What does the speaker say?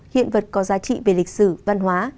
hiện vật có giá trị về lịch sử văn hóa